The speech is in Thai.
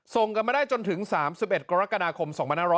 ส่งกันมาได้จนถึง๓๑กรกฎาคม๒๕๖๐